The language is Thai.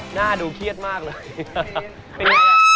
หน้าดูเครียดมากเลย